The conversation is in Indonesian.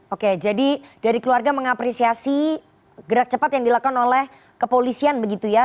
oke jadi dari keluarga mengapresiasi gerak cepat yang dilakukan oleh kepolisian begitu ya